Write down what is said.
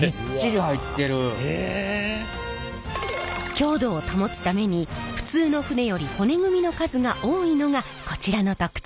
強度を保つために普通の船より骨組みの数が多いのがこちらの特徴。